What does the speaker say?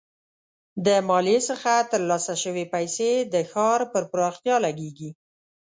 د مالیې څخه ترلاسه شوي پیسې د ښار پر پراختیا لګیږي.